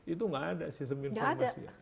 itu nggak ada sistem informasinya